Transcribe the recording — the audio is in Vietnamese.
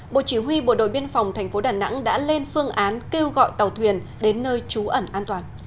bộ chỉ huy bộ đội biên phòng tp đà nẵng đã lên phương án kêu gọi tàu thuyền đến nơi trú ẩn an toàn